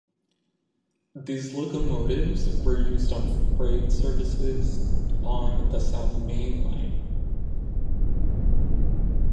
These locomotives were used on freight services on the South Main Line.